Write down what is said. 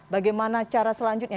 bagaimana cara selanjutnya